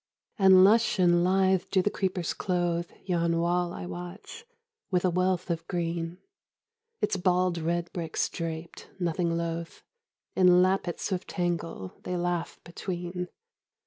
And lush and lithe do the creepers clothe Yon wall I watch, with a wealth of green: Its bald red bricks draped, nothing loath, In lappets of tangle they laugh between.